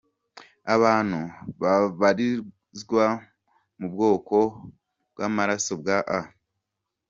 Abantu babarizwa mu bwoko bw’amaraso bwa A.